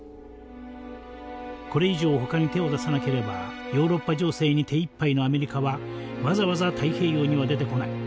これ以上ほかに手を出さなければヨーロッパ情勢に手いっぱいのアメリカはわざわざ太平洋には出てこない。